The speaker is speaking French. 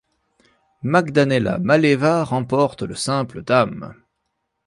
Magdalena Maleeva remporte le simple dames.